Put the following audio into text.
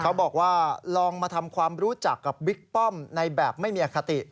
เขาบอกว่าลองมาทำความรู้จักกับบิ๊กป้อมในแบบไม่มีอคติ